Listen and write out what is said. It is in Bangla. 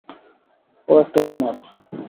ও একটা উন্মাদ।